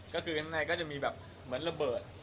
ก็คือข้างในก็จะมีแบบเหมือนระเบิด